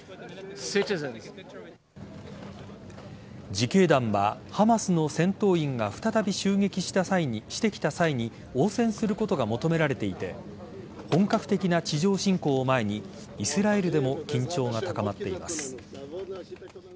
自警団はハマスの戦闘員が再び襲撃してきた際に応戦することが求められていて本格的な地上侵攻を前にイスラエルでも緊張が高まっています。